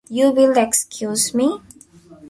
You will excuse me.